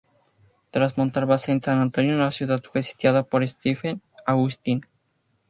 Tras montar base en San Antonio, la ciudad fue sitiada por Stephen F. Austin.